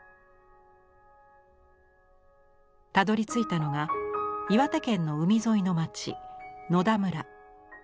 たどりついたのが岩手県の海沿いの町野田村。